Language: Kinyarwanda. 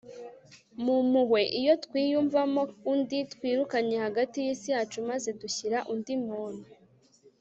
mu mpuhwe, iyo twiyumvamo undi, twirukanye hagati y'isi yacu maze dushyira undi muntu